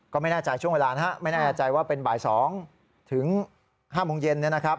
ก็ไม่แน่ใจช่วงเวลานะฮะไม่แน่ใจว่าเป็นบ่าย๒ถึง๕โมงเย็นนะครับ